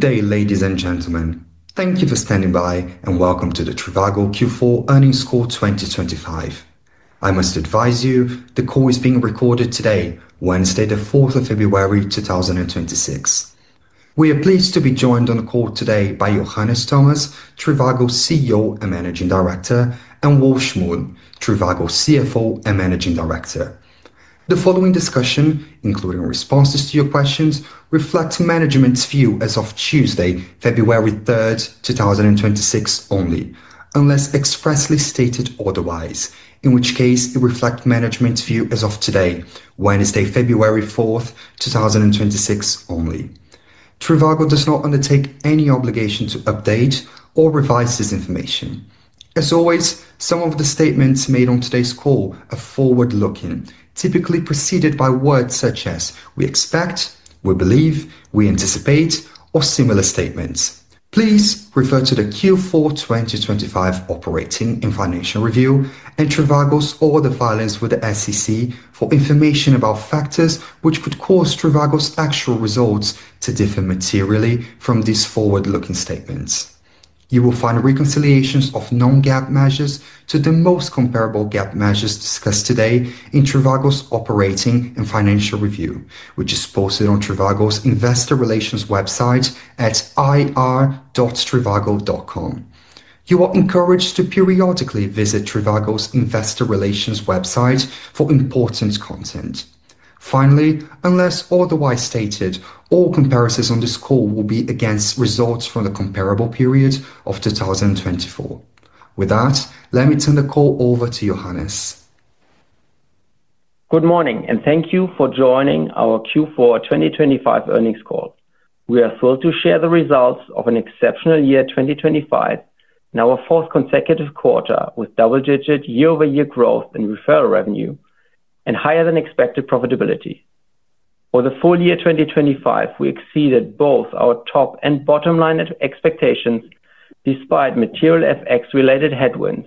Good day, ladies and gentlemen. Thank you for standing by and welcome to the Trivago Q4 earnings call 2025. I must advise you, the call is being recorded today, Wednesday the 4th of February 2026. We are pleased to be joined on the call today by Johannes Thomas, Trivago CEO and Managing Director, and Wolf Schmuhl, Trivago CFO and Managing Director. The following discussion, including responses to your questions, reflects management's view as of Tuesday, February 3rd, 2026 only, unless expressly stated otherwise, in which case it reflects management's view as of today, Wednesday, February 4th, 2026 only. Trivago does not undertake any obligation to update or revise this information. As always, some of the statements made on today's call are forward-looking, typically preceded by words such as "we expect," "we believe," "we anticipate," or similar statements. Please refer to the Q4 2025 Operating and Financial Review and Trivago's other filings with the SEC for information about factors which could cause Trivago's actual results to differ materially from these forward-looking statements. You will find reconciliations of non-GAAP measures to the most comparable GAAP measures discussed today in Trivago's Operating and Financial Review, which is posted on Trivago's investor relations website at ir.trivago.com. You are encouraged to periodically visit Trivago's investor relations website for important content. Finally, unless otherwise stated, all comparisons on this call will be against results from the comparable period of 2024. With that, let me turn the call over to Johannes. Good morning, and thank you for joining our Q4 2025 earnings call. We are thrilled to share the results of an exceptional year 2025, now our fourth consecutive quarter with double-digit year-over-year growth in referral revenue and higher-than-expected profitability. For the full year 2025, we exceeded both our top and bottom line expectations despite material FX-related headwinds,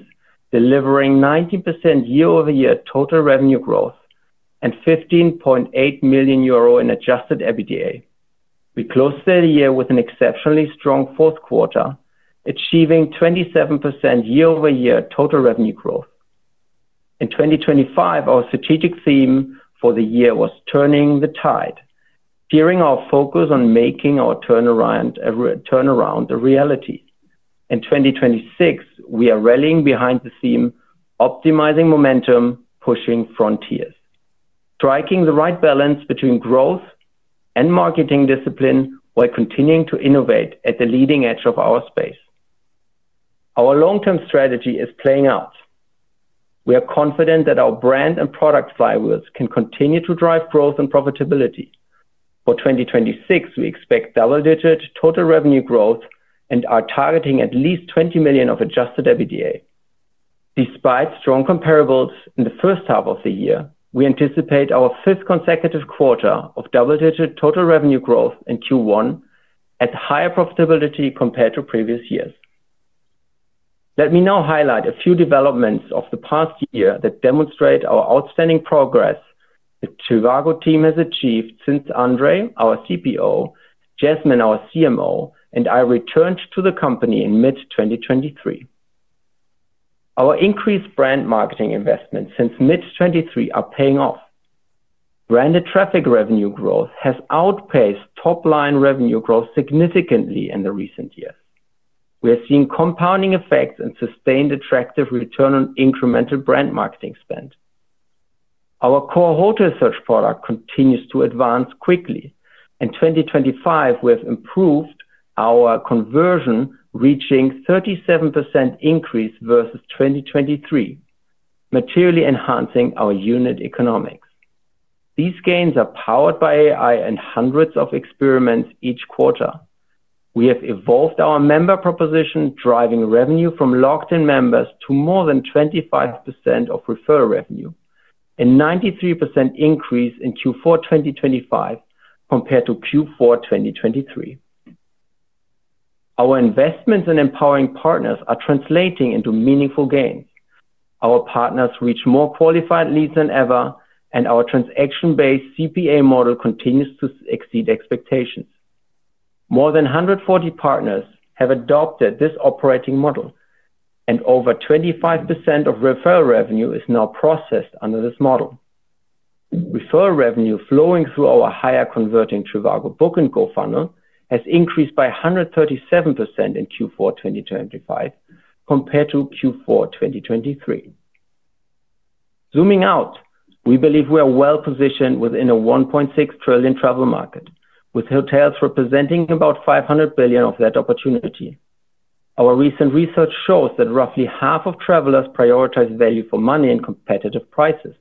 delivering 19% year-over-year total revenue growth and 15.8 million euro in Adjusted EBITDA. We closed the year with an exceptionally strong fourth quarter, achieving 27% year-over-year total revenue growth. In 2025, our strategic theme for the year was "Turning the Tide," steering our focus on making our turnaround a reality. In 2026, we are rallying behind the theme "Optimizing Momentum, Pushing Frontiers," striking the right balance between growth and marketing discipline while continuing to innovate at the leading edge of our space. Our long-term strategy is playing out. We are confident that our brand and product flywheels can continue to drive growth and profitability. For 2026, we expect double-digit total revenue growth and are targeting at least 20 million of Adjusted EBITDA. Despite strong comparables in the first half of the year, we anticipate our fifth consecutive quarter of double-digit total revenue growth in Q1 at higher profitability compared to previous years. Let me now highlight a few developments of the past year that demonstrate our outstanding progress the Trivago team has achieved since Andrej, our CPO, Jasmine, our CMO, and I returned to the company in mid-2023. Our increased brand marketing investments since mid-2023 are paying off. Branded traffic revenue growth has outpaced top-line revenue growth significantly in the recent years. We are seeing compounding effects and sustained attractive return on incremental brand marketing spend. Our core hotel search product continues to advance quickly. In 2025, we have improved our conversion, reaching a 37% increase versus 2023, materially enhancing our unit economics. These gains are powered by AI and hundreds of experiments each quarter. We have evolved our member proposition, driving revenue from locked-in members to more than 25% of referral revenue, a 93% increase in Q4 2025 compared to Q4 2023. Our investments in empowering partners are translating into meaningful gains. Our partners reach more qualified leads than ever, and our transaction-based CPA model continues to exceed expectations. More than 140 partners have adopted this operating model, and over 25% of referral revenue is now processed under this model. Referral revenue flowing through our higher-converting Trivago Book & Go funnel has increased by 137% in Q4 2025 compared to Q4 2023. Zooming out, we believe we are well-positioned within a 1.6 trillion travel market, with hotels representing about 500 billion of that opportunity. Our recent research shows that roughly half of travelers prioritize value for money in competitive prices.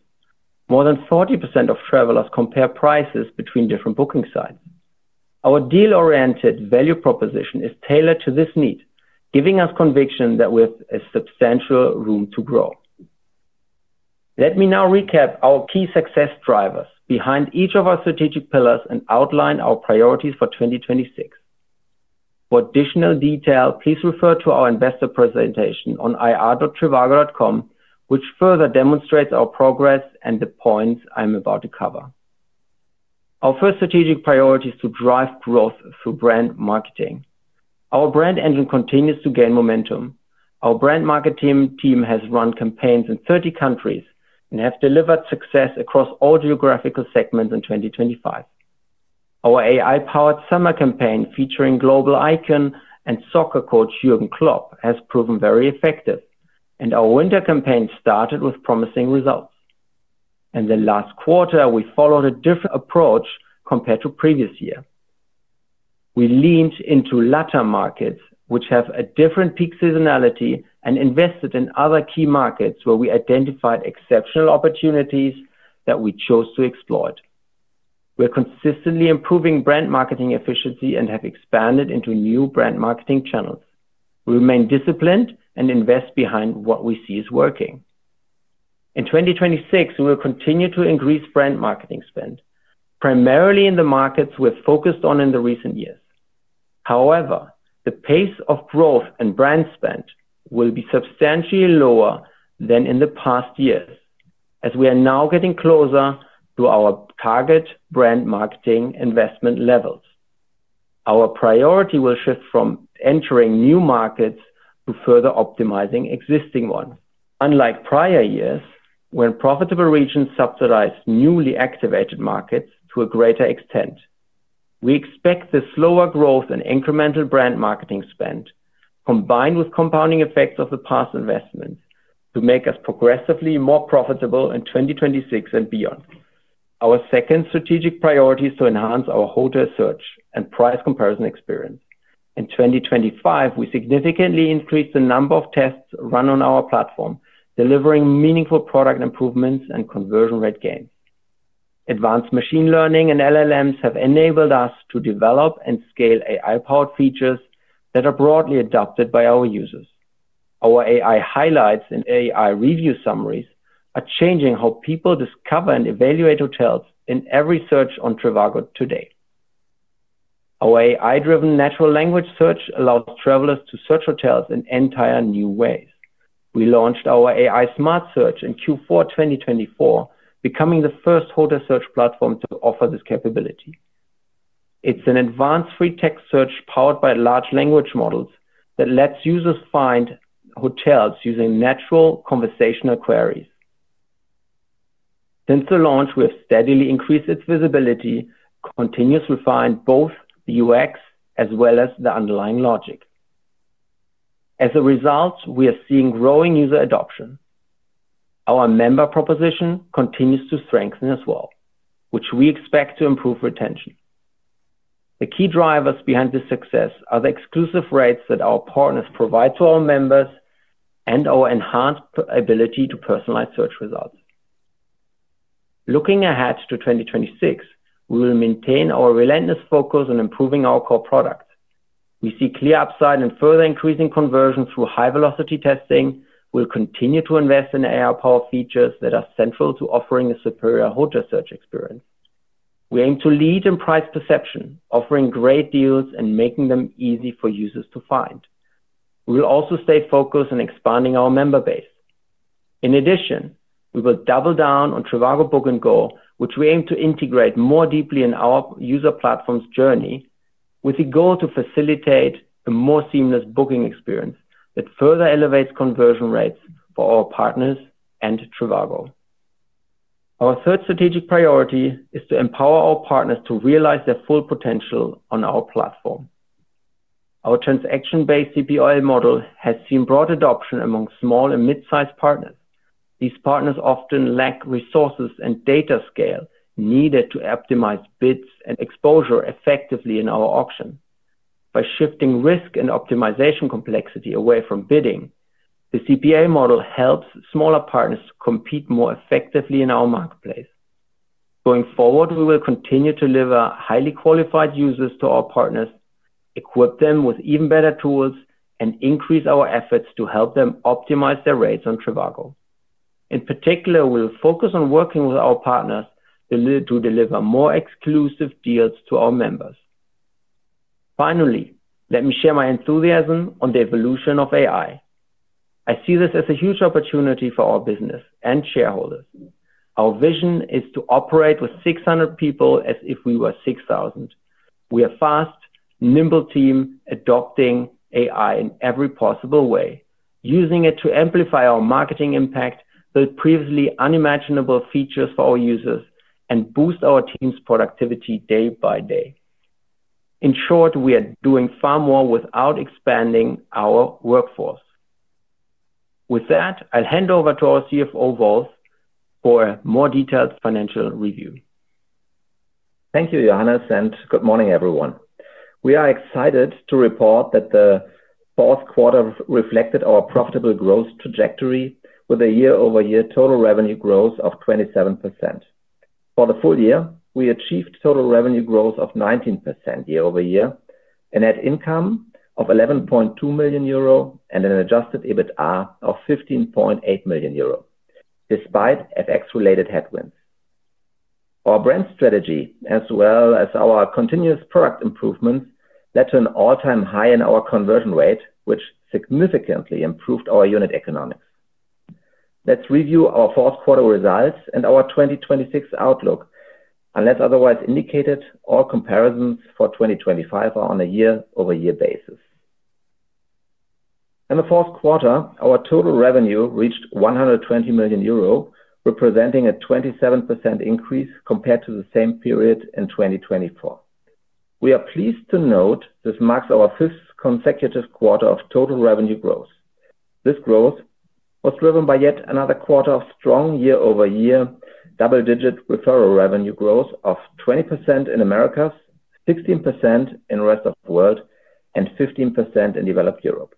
More than 40% of travelers compare prices between different booking sites. Our deal-oriented value proposition is tailored to this need, giving us conviction that we have substantial room to grow. Let me now recap our key success drivers behind each of our strategic pillars and outline our priorities for 2026. For additional detail, please refer to our investor presentation on ir.trivago.com, which further demonstrates our progress and the points I'm about to cover. Our first strategic priority is to drive growth through brand marketing. Our brand engine continues to gain momentum. Our brand marketing team has run campaigns in 30 countries and have delivered success across all geographical segments in 2025. Our AI-powered summer campaign featuring global icon and soccer coach Jürgen Klopp has proven very effective, and our winter campaign started with promising results. In the last quarter, we followed a different approach compared to previous year. We leaned into Latin markets, which have a different peak seasonality, and invested in other key markets where we identified exceptional opportunities that we chose to exploit. We are consistently improving brand marketing efficiency and have expanded into new brand marketing channels. We remain disciplined and invest behind what we see is working. In 2026, we will continue to increase brand marketing spend, primarily in the markets we have focused on in the recent years. However, the pace of growth and brand spend will be substantially lower than in the past years as we are now getting closer to our target brand marketing investment levels. Our priority will shift from entering new markets to further optimizing existing ones. Unlike prior years, when profitable regions subsidized newly activated markets to a greater extent, we expect this slower growth in incremental brand marketing spend, combined with compounding effects of the past investments, to make us progressively more profitable in 2026 and beyond. Our second strategic priority is to enhance our hotel search and price comparison experience. In 2025, we significantly increased the number of tests run on our platform, delivering meaningful product improvements and conversion rate gains. Advanced machine learning and LLMs have enabled us to develop and scale AI-powered features that are broadly adopted by our users. Our AI Highlights and AI Review Summaries are changing how people discover and evaluate hotels in every search on Trivago today. Our AI-driven natural language search allows travelers to search hotels in entirely new ways. We launched our AI Smart Search in Q4 2024, becoming the first hotel search platform to offer this capability. It's an advanced free-text search powered by large language models that lets users find hotels using natural conversational queries. Since the launch, we have steadily increased its visibility, continuously refining both the UX as well as the underlying logic. As a result, we are seeing growing user adoption. Our member proposition continues to strengthen as well, which we expect to improve retention. The key drivers behind this success are the exclusive rates that our partners provide to our members and our enhanced ability to personalize search results. Looking ahead to 2026, we will maintain our relentless focus on improving our core product. We see clear upside and further increasing conversion through high-velocity testing. We will continue to invest in AI-powered features that are central to offering a superior hotel search experience. We aim to lead in price perception, offering great deals and making them easy for users to find. We will also stay focused on expanding our member base. In addition, we will double down on Trivago Book & Go, which we aim to integrate more deeply in our user platform's journey with the goal to facilitate a more seamless booking experience that further elevates conversion rates for our partners and Trivago. Our third strategic priority is to empower our partners to realize their full potential on our platform. Our transaction-based CPA model has seen broad adoption among small and mid-sized partners. These partners often lack resources and data scale needed to optimize bids and exposure effectively in our auction. By shifting risk and optimization complexity away from bidding, the CPA model helps smaller partners compete more effectively in our marketplace. Going forward, we will continue to deliver highly qualified users to our partners, equip them with even better tools, and increase our efforts to help them optimize their rates on Trivago. In particular, we will focus on working with our partners to deliver more exclusive deals to our members. Finally, let me share my enthusiasm on the evolution of AI. I see this as a huge opportunity for our business and shareholders. Our vision is to operate with 600 people as if we were 6,000. We are a fast, nimble team adopting AI in every possible way, using it to amplify our marketing impact with previously unimaginable features for our users and boost our team's productivity day by day. In short, we are doing far more without expanding our workforce. With that, I'll hand over to our CFO, Wolf, for a more detailed financial review. Thank you, Johannes, and good morning, everyone. We are excited to report that the fourth quarter reflected our profitable growth trajectory with a year-over-year total revenue growth of 27%. For the full year, we achieved total revenue growth of 19% year over year and had income of 11.2 million euro and an Adjusted EBITDA of 15.8 million euro despite FX-related headwinds. Our brand strategy, as well as our continuous product improvements, led to an all-time high in our conversion rate, which significantly improved our unit economics. Let's review our fourth quarter results and our 2026 outlook. Unless otherwise indicated, all comparisons for 2025 are on a year-over-year basis. In the fourth quarter, our total revenue reached 120 million euro, representing a 27% increase compared to the same period in 2024. We are pleased to note this marks our fifth consecutive quarter of total revenue growth. This growth was driven by yet another quarter of strong year-over-year double-digit referral revenue growth of 20% in America, 16% in the Rest of the World, and 15% in Developed Europe.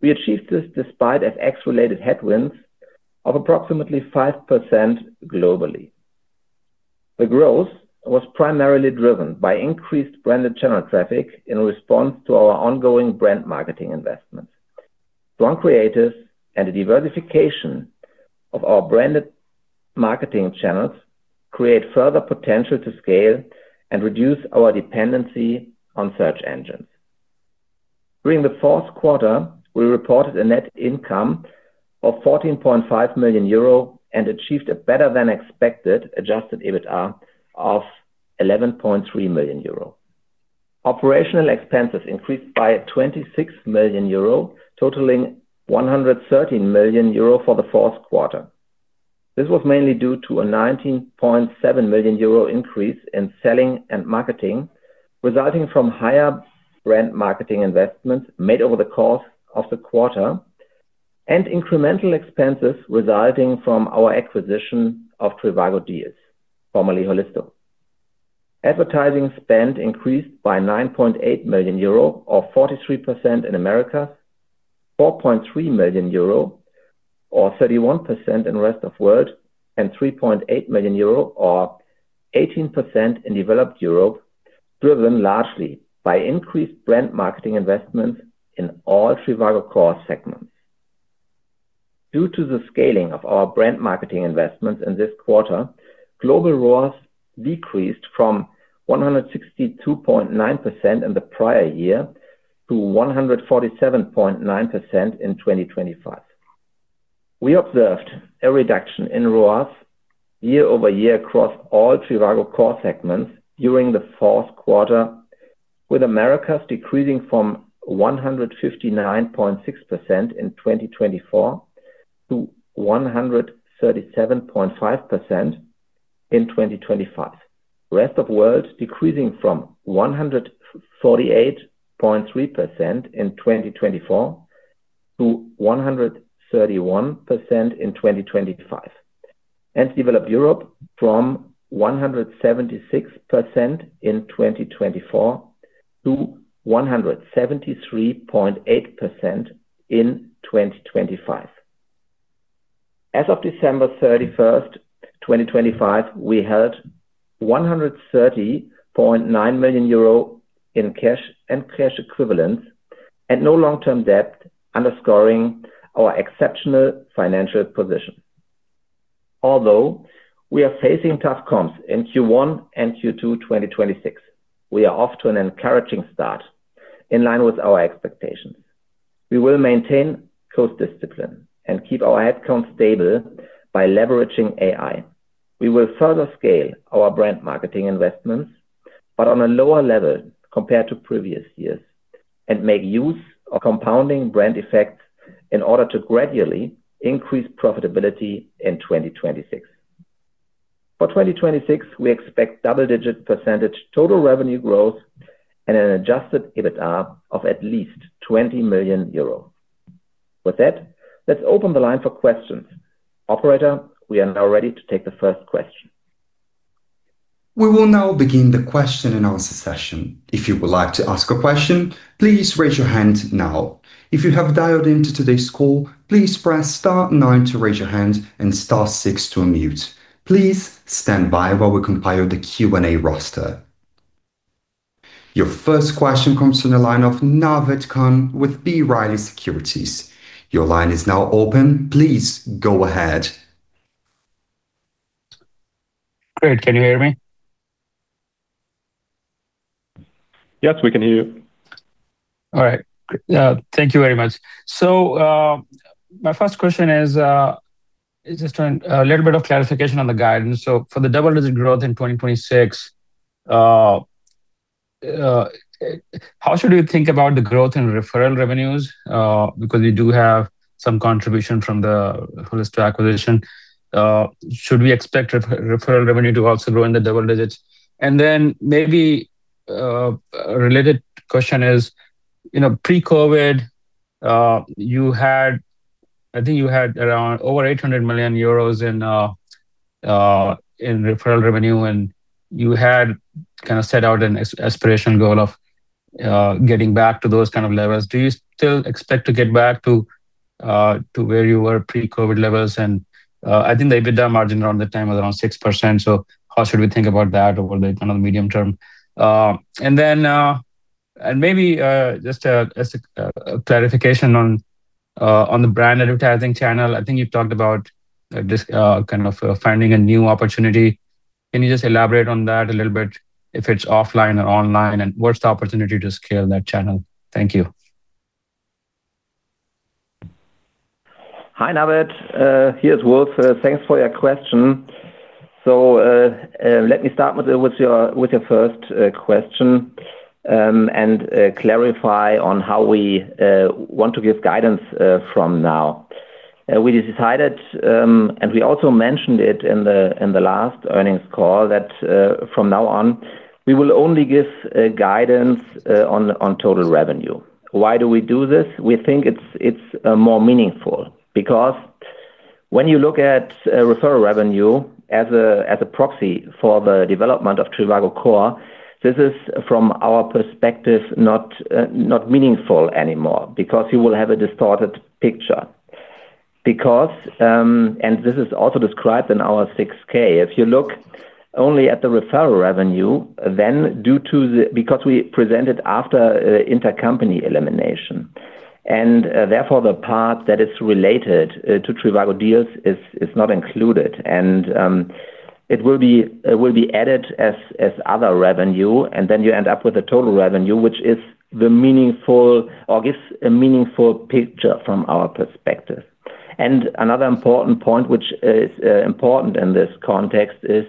We achieved this despite FX-related headwinds of approximately 5% globally. The growth was primarily driven by increased branded channel traffic in response to our ongoing brand marketing investments. Strong creatives and a diversification of our branded marketing channels create further potential to scale and reduce our dependency on search engines. During the fourth quarter, we reported a net income of 14.5 million euro and achieved a better-than-expected Adjusted EBITDA of 11.3 million euro. Operational expenses increased by 26 million euro, totaling 113 million euro for the fourth quarter. This was mainly due to a 19.7 million euro increase in selling and marketing, resulting from higher brand marketing investments made over the course of the quarter and incremental expenses resulting from our acquisition of Trivago Deals, formerly Holisto. Advertising spend increased by 9.8 million euro or 43% in America, 4.3 million euro or 31% in Rest of World, and 3.8 million euro or 18% in Developed Europe, driven largely by increased brand marketing investments in all Trivago core segments. Due to the scaling of our brand marketing investments in this quarter, global ROAS decreased from 162.9% in the prior year to 147.9% in 2025. We observed a reduction in ROAS year-over-year across all Trivago core segments during the fourth quarter, with America decreasing from 159.6% in 2024 to 137.5% in 2025, the Rest of the World decreasing from 148.3% in 2024 to 131% in 2025, and Developed Europe from 176% in 2024 to 173.8% in 2025. As of December 31st, 2025, we held 130.9 million euro in cash and cash equivalents and no long-term debt, underscoring our exceptional financial position. Although we are facing tough comps in Q1 and Q2 2026, we are off to an encouraging start in line with our expectations. We will maintain cost discipline and keep our headcount stable by leveraging AI. We will further scale our brand marketing investments, but on a lower level compared to previous years, and make use of compounding brand effects in order to gradually increase profitability in 2026. For 2026, we expect double-digit % total revenue growth and an Adjusted EBITDA of at least 20 million euro. With that, let's open the line for questions. Operator, we are now ready to take the first question. We will now begin the question and answer session. If you would like to ask a question, please raise your hand now. If you have dialed into today's call, please press star 9 to raise your hand and star 6 to unmute. Please stand by while we compile the Q&A roster. Your first question comes from the line of Naved Khan with B. Riley Securities. Your line is now open. Please go ahead. Great. Can you hear me? Yes, we can hear you. All right. Thank you very much. So my first question is just a little bit of clarification on the guidance. So for the double-digit growth in 2026, how should we think about the growth in referral revenues? Because we do have some contribution from the Holisto acquisition. Should we expect referral revenue to also grow in the double digits? And then maybe a related question is, pre-COVID, I think you had around over 800 million euros in referral revenue, and you had kind of set out an aspirational goal of getting back to those kind of levels. Do you still expect to get back to where you were pre-COVID levels? And I think the EBITDA margin around that time was around 6%. So how should we think about that over the kind of medium term? Maybe just as a clarification on the brand advertising channel, I think you talked about kind of finding a new opportunity. Can you just elaborate on that a little bit, if it's offline or online, and what's the opportunity to scale that channel? Thank you. Hi, Naved. Here's Wolf. Thanks for your question. So let me start with your first question and clarify on how we want to give guidance from now. We decided, and we also mentioned it in the last earnings call, that from now on, we will only give guidance on total revenue. Why do we do this? We think it's more meaningful because when you look at referral revenue as a proxy for the development of Trivago Core, this is, from our perspective, not meaningful anymore because you will have a distorted picture. This is also described in our 6K. If you look only at the referral revenue, then because we present it after intercompany elimination, and therefore the part that is related to Trivago Deals is not included, and it will be added as other revenue, and then you end up with a total revenue which is the meaningful or gives a meaningful picture from our perspective. And another important point, which is important in this context, is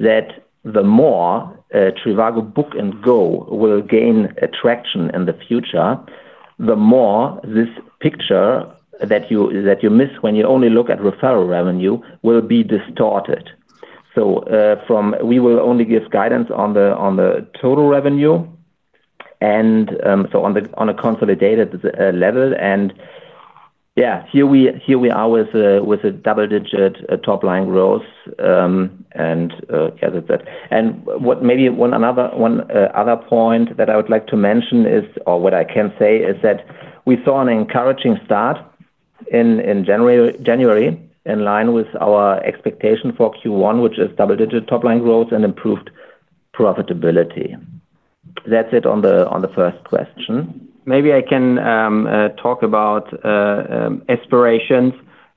that the more Trivago Book & Go will gain attraction in the future, the more this picture that you miss when you only look at referral revenue will be distorted. So we will only give guidance on the total revenue, so on a consolidated level. And yeah, here we are with a double-digit top-line growth. And yeah, that's it. Maybe one other point that I would like to mention is, or what I can say, is that we saw an encouraging start in January in line with our expectation for Q1, which is double-digit top-line growth and improved profitability. That's it on the first question. Maybe I can talk about aspirations.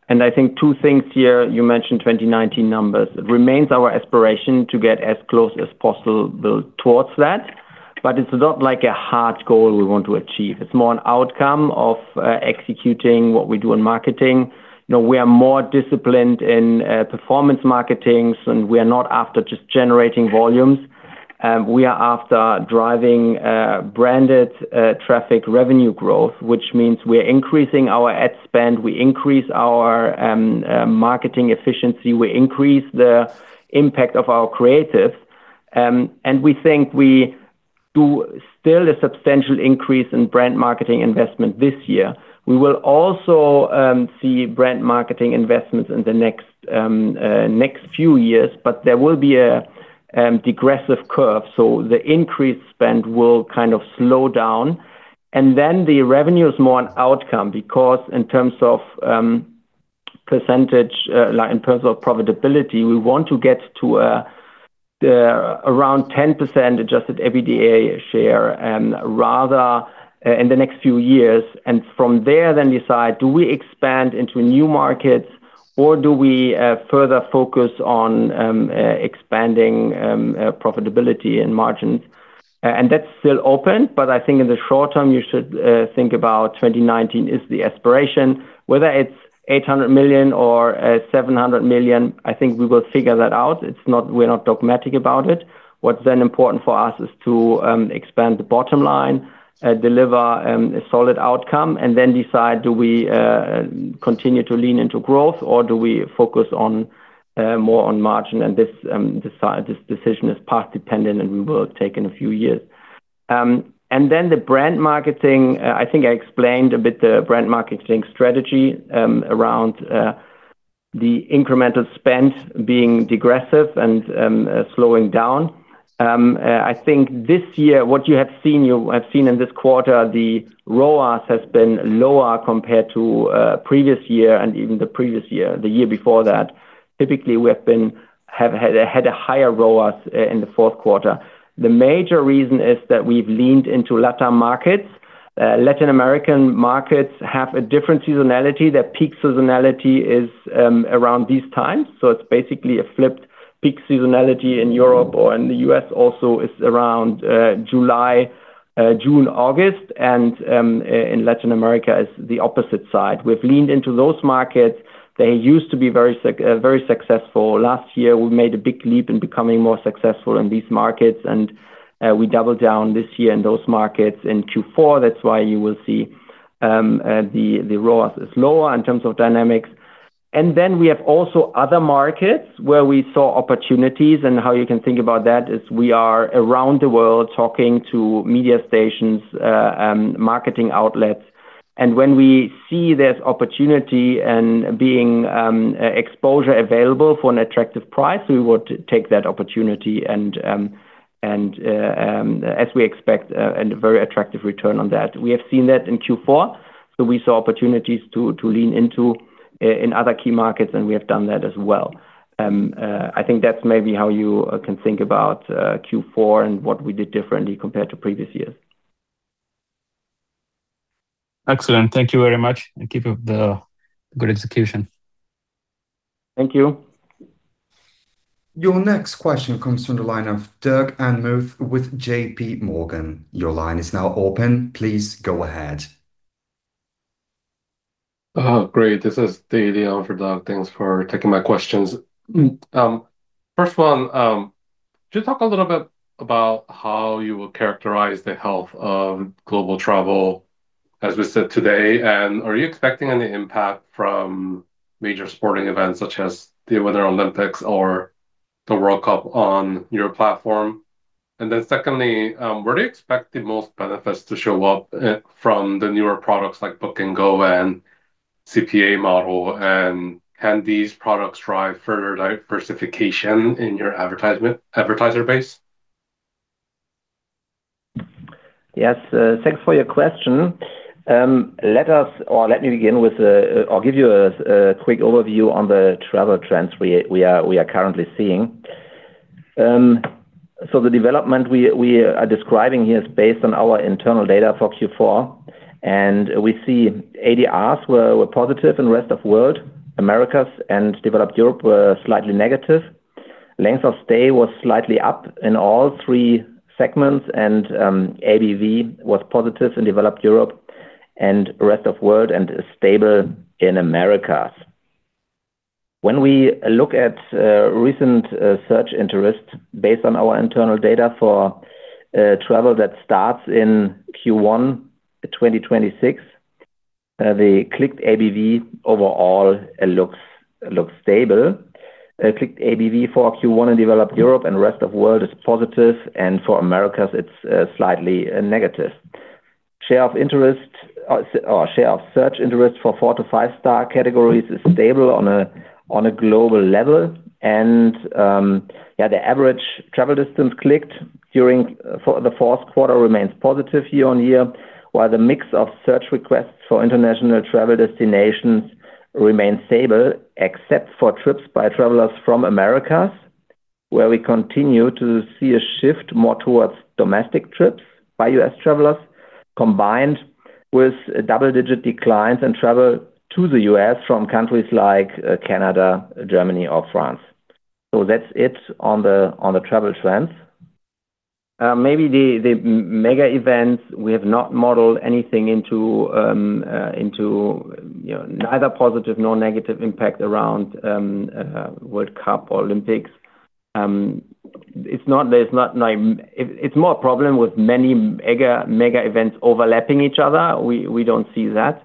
I think two things here. You mentioned 2019 numbers. It remains our aspiration to get as close as possible towards that, but it's not like a hard goal we want to achieve. It's more an outcome of executing what we do in marketing. We are more disciplined in performance marketings, and we are not after just generating volumes. We are after driving branded traffic revenue growth, which means we are increasing our ad spend, we increase our marketing efficiency, we increase the impact of our creatives, and we think we do still a substantial increase in brand marketing investment this year. We will also see brand marketing investments in the next few years, but there will be a degressive curve. The increased spend will kind of slow down. Then the revenue is more an outcome because in terms of percentage, in terms of profitability, we want to get to around 10% Adjusted EBITDA share in the next few years. From there, then decide, do we expand into new markets, or do we further focus on expanding profitability and margins? That's still open, but I think in the short term, you should think about 2019 as the aspiration. Whether it's 800 million or 700 million, I think we will figure that out. We're not dogmatic about it. What's then important for us is to expand the bottom line, deliver a solid outcome, and then decide, do we continue to lean into growth, or do we focus more on margin? This decision is part dependent, and we will take in a few years. And then the brand marketing, I think I explained a bit the brand marketing strategy around the incremental spend being degressive and slowing down. I think this year, what you have seen, you have seen in this quarter, the ROAS has been lower compared to previous year and even the previous year, the year before that. Typically, we have had a higher ROAS in the fourth quarter. The major reason is that we've leaned into Latin markets. Latin American markets have a different seasonality. Their peak seasonality is around these times. So it's basically a flipped peak seasonality in Europe or in the U.S. also is around July, June, August. And in Latin America, it's the opposite side. We've leaned into those markets. They used to be very successful. Last year, we made a big leap in becoming more successful in these markets, and we doubled down this year in those markets in Q4. That's why you will see the ROAS is lower in terms of dynamics. And then we have also other markets where we saw opportunities. And how you can think about that is we are around the world talking to media stations, marketing outlets. And when we see there's opportunity and brand exposure available for an attractive price, we would take that opportunity as we expect a very attractive return on that. We have seen that in Q4. So we saw opportunities to lean into in other key markets, and we have done that as well. I think that's maybe how you can think about Q4 and what we did differently compared to previous years. Excellent. Thank you very much. And keep up the good execution. Thank you. Your next question comes from the line of Doug Anmuth with J.P. Morgan. Your line is now open. Please go ahead. Great. This is Dae K. Lee for Doug. Thanks for taking my questions. First one, could you talk a little bit about how you will characterize the health of global travel, as we sit today? And are you expecting any impact from major sporting events such as the Winter Olympics or the World Cup on your platform? And then secondly, where do you expect the most benefits to show up from the newer products like Book & Go and CPA model? And can these products drive further diversification in your advertiser base? Yes. Thanks for your question. Let me begin with or give you a quick overview on the travel trends we are currently seeing. So the development we are describing here is based on our internal data for Q4. We see ADRs were positive in the Rest of the World. Americas and Developed Europe were slightly negative. Length of stay was slightly up in all three segments, and ABV was positive in Developed Europe and the Rest of the World and stable in Americas. When we look at recent search interest based on our internal data for travel that starts in Q1 2026, the clicked ABV overall looks stable. Clicked ABV for Q1 in Developed Europe and the Rest of the World is positive, and for Americas, it's slightly negative. Share of interest or share of search interest for four- to five-star categories is stable on a global level. And yeah, the average travel distance clicked for the fourth quarter remains positive year-on-year, while the mix of search requests for international travel destinations remains stable, except for trips by travelers from Americas, where we continue to see a shift more towards domestic trips by U.S. travelers, combined with double-digit declines in travel to the U.S. from countries like Canada, Germany, or France. So that's it on the travel trends. Maybe the mega events, we have not modeled anything into neither positive nor negative impact around World Cup, Olympics. It's not like it's more a problem with many mega events overlapping each other. We don't see that.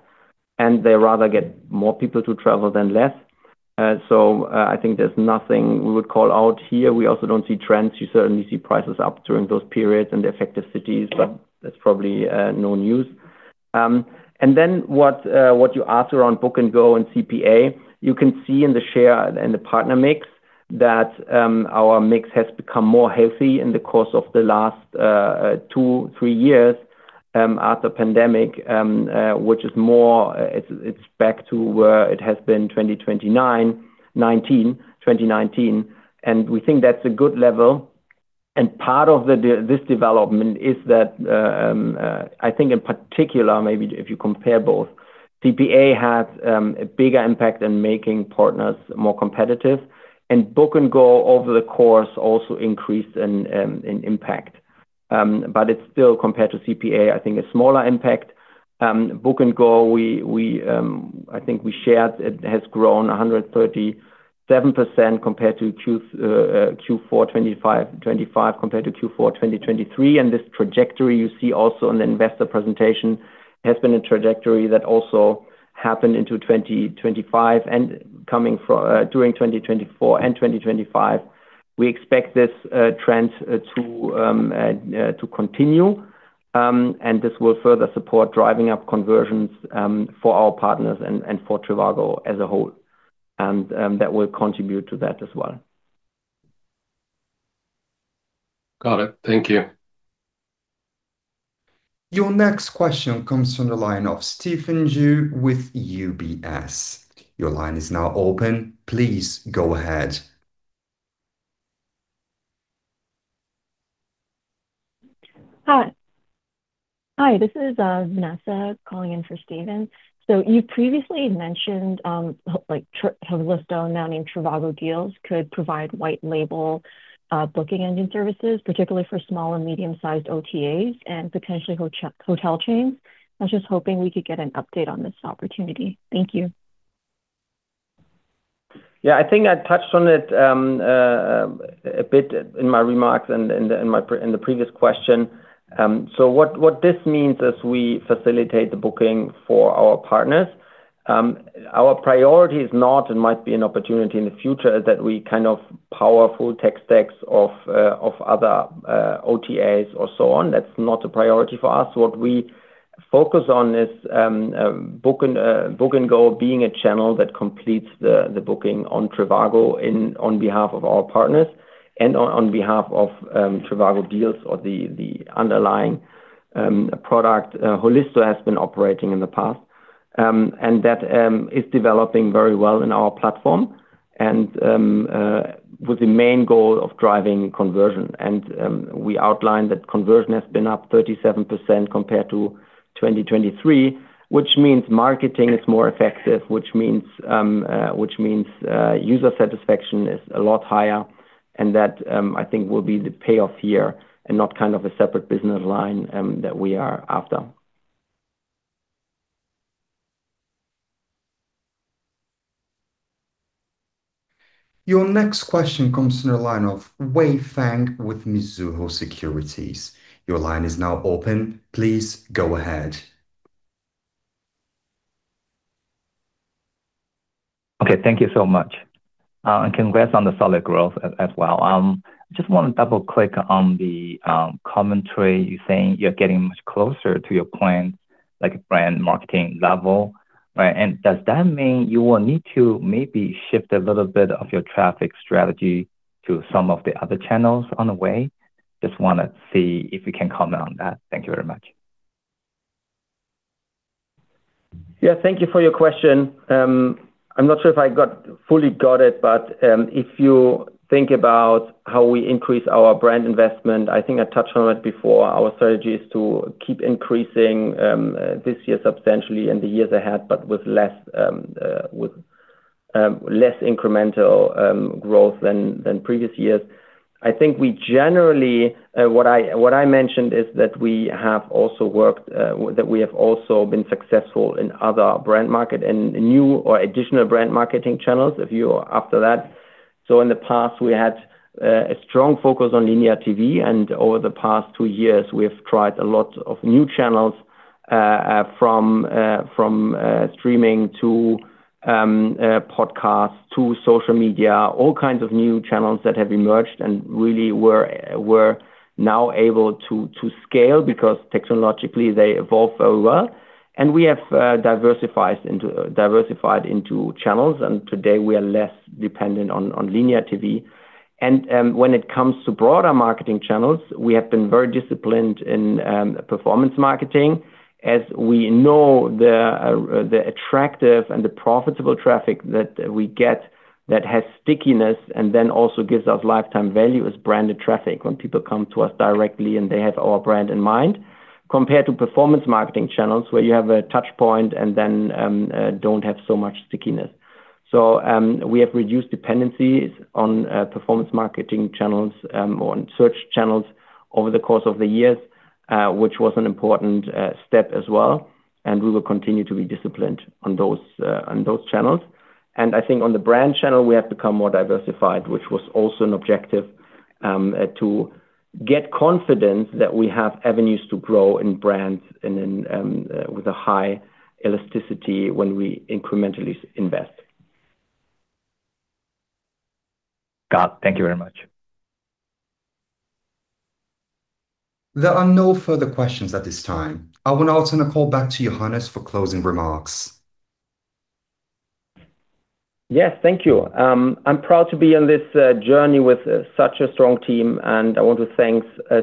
And they rather get more people to travel than less. So I think there's nothing we would call out here. We also don't see trends. You certainly see prices up during those periods and the effective cities, but that's probably no news. And then what you asked around Book & Go and CPA, you can see in the share and the partner mix that our mix has become more healthy in the course of the last 2, 3 years after the pandemic, which is more it's back to where it has been 2019, 2019. And we think that's a good level. And part of this development is that, I think in particular, maybe if you compare both, CPA had a bigger impact in making partners more competitive. And Book & Go over the course also increased in impact. But it's still, compared to CPA, I think a smaller impact. Book & Go, I think we shared, it has grown 137% compared to Q4 2025 compared to Q4 2023. This trajectory you see also in the investor presentation has been a trajectory that also happened during 2024 and 2025. We expect this trend to continue. That will further support driving up conversions for our partners and for Trivago as a whole. That will contribute to that as well. Got it. Thank you. Your next question comes from the line of Stephen Ju with UBS. Your line is now open. Please go ahead. Hi. Hi. This is Vanessa calling in for Stephen. You previously mentioned Holisto, now named Trivago Deals, could provide white-label booking engine services, particularly for small and medium-sized OTAs and potentially hotel chains. I was just hoping we could get an update on this opportunity. Thank you. Yeah. I think I touched on it a bit in my remarks and in the previous question. So what this means is we facilitate the booking for our partners. Our priority is not and might be an opportunity in the future is that we kind of powerful tech stacks of other OTAs or so on. That's not a priority for us. What we focus on is Book & Go being a channel that completes the booking on Trivago on behalf of our partners and on behalf of Trivago Deals or the underlying product Holisto has been operating in the past. And that is developing very well in our platform and with the main goal of driving conversion. And we outline that conversion has been up 37% compared to 2023, which means marketing is more effective, which means user satisfaction is a lot higher. That, I think, will be the payoff here and not kind of a separate business line that we are after. Your next question comes from the line of Wei Fang with Mizuho Securities. Your line is now open. Please go ahead. Okay. Thank you so much. Congrats on the solid growth as well. I just want to double-click on the commentary you're saying you're getting much closer to your point, like a brand marketing level, right? Does that mean you will need to maybe shift a little bit of your traffic strategy to some of the other channels on the way? Just want to see if you can comment on that. Thank you very much. Yeah. Thank you for your question. I'm not sure if I fully got it, but if you think about how we increase our brand investment, I think I touched on it before. Our strategy is to keep increasing this year substantially and the years ahead, but with less incremental growth than previous years. I think we generally what I mentioned is that we have also worked that we have also been successful in other brand market and new or additional brand marketing channels, if you are after that. So in the past, we had a strong focus on linear TV. And over the past two years, we have tried a lot of new channels from streaming to podcasts to social media, all kinds of new channels that have emerged and really were now able to scale because technologically, they evolve very well. And we have diversified into channels. Today, we are less dependent on linear TV. When it comes to broader marketing channels, we have been very disciplined in performance marketing as we know the attractive and the profitable traffic that we get that has stickiness and then also gives us lifetime value as branded traffic when people come to us directly and they have our brand in mind compared to performance marketing channels where you have a touchpoint and then don't have so much stickiness. So we have reduced dependencies on performance marketing channels or on search channels over the course of the years, which was an important step as well. We will continue to be disciplined on those channels. I think on the brand channel, we have become more diversified, which was also an objective to get confidence that we have avenues to grow in brands with a high elasticity when we incrementally invest. Got it. Thank you very much. There are no further questions at this time. I want to also call back to Johannes for closing remarks. Yes. Thank you. I'm proud to be on this journey with such a strong team. I want to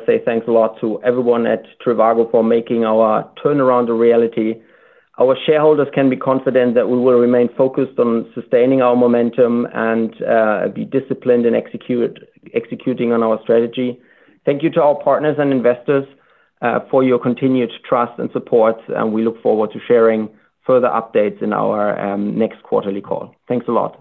say thanks a lot to everyone at Trivago for making our turnaround a reality. Our shareholders can be confident that we will remain focused on sustaining our momentum and be disciplined in executing on our strategy. Thank you to our partners and investors for your continued trust and support. We look forward to sharing further updates in our next quarterly call. Thanks a lot.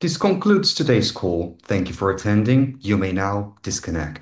This concludes today's call. Thank you for attending. You may now disconnect.